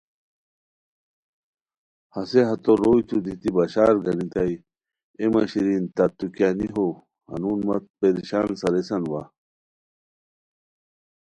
ہسے ہتو روئیتو دیتی بشارگانیتائے اے مہ شیرین تت تو کیانی ہو؟ ہنون مت پریشان ساریسان وا